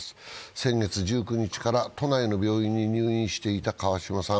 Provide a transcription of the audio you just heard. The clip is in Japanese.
先月１９日から都内の病院に入院していた川嶋さん。